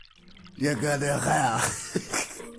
You go to hell!